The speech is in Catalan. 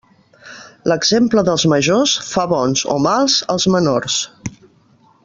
L'exemple dels majors fa bons o mals els menors.